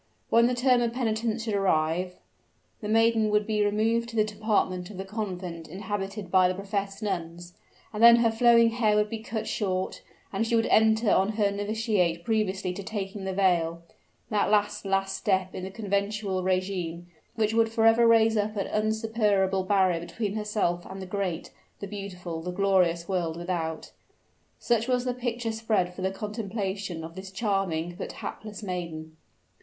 When the term of penitence should arrive, the maiden would be removed to the department of the convent inhabited by the professed nuns; and then her flowing hair would be cut short, and she would enter on her novitiate previously to taking the veil, that last, last step in the conventual regime, which would forever raise up an insuperable barrier between herself and the great, the beautiful, the glorious world without! Such was the picture spread for the contemplation of this charming, but hapless maiden.